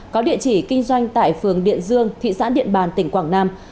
có địa chỉ kinh doanh tại phường điện dương thị xã điện bàn tỉnh quảng nam